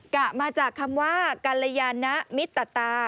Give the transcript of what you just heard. กะมาจากคำว่ากัลยานะมิตตา